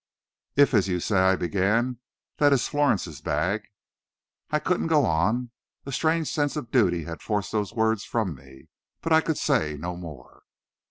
"If, as you say," I began, "that is Florence's bag " I couldn't go on. A strange sense of duty had forced those words from me, but I could say no more.